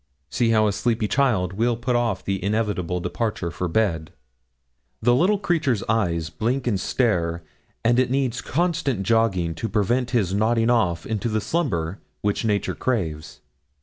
See how a sleepy child will put off the inevitable departure for bed. The little creature's eyes blink and stare, and it needs constant jogging to prevent his nodding off into the slumber which nature craves.